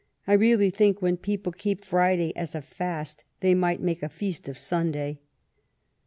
I really think, when people keep Friday as a fast, they might make a feast of Sunday."